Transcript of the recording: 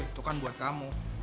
itu kan buat kamu